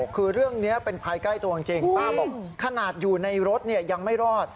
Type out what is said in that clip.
คือเรื่องนี้เป็นภายใกล้ตัวจริงป้าบอกขนาดอยู่ในรถยังไม่รอด